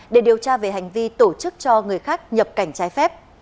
để điều tra về hành vi tổ chức cho người khác nhập cảnh trái phép